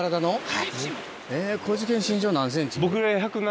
はい。